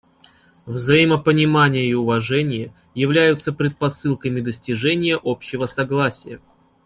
Взаимопонимание и уважение являются предпосылками достижения общего согласия.